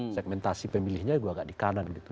segmentasi pemilihnya juga agak di kanan gitu